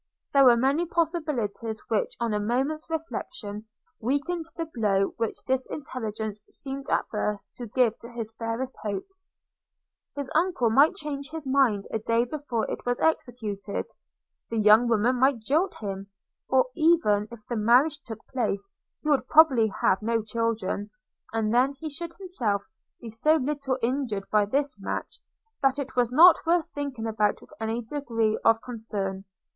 There were many possibilities which, on a moment's reflection, weakened the blow which this intelligence seemed at first to give to his fairest hopes – His uncle might change his mind a day before it was executed – the young woman might jilt him – or, even if the marriage took place, he would probably have no children; and then he should himself be so little injured by this match, that it was not worth thinking about with any degree of concern.